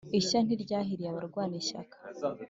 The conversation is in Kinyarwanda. Ishya ntiryahiriye abarwana ishyaka